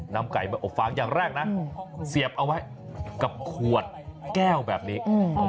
นำไก่มาอบฟางอย่างแรกนะเสียบเอาไว้กับขวดแก้วแบบนี้